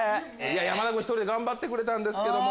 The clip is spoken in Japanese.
山田君１人で頑張ってくれたんですけども。